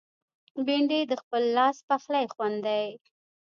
بېنډۍ د خپل لاس پخلي خوند دی